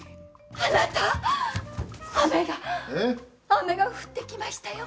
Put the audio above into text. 雨が降ってきましたよ！